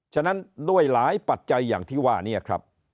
ฉะนั้นด้วยหลายปัจจัยอย่างที่ว่านี้ครับ